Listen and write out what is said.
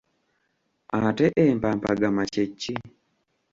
Ate empampagama kye ki?